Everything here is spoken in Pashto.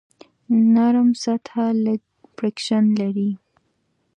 نرم سطحه لږ فریکشن لري.